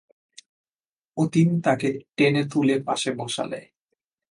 অতীন তাকে টেনে তুলে পাশে বসালে।